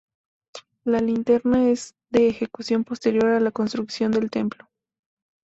La linterna es de ejecución posterior a la construcción del templo.